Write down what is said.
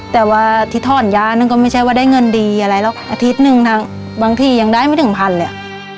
แต่ว่าที่ถอนยานั่นก็ไม่ใช่ว่าได้เงินดีอะไรแล้วอาทิตย์หนึ่งบางทียังได้ไม่ถึงพันเลยอ่ะ